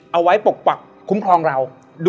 เอาไว้ปกปรับคุ้มครองเรา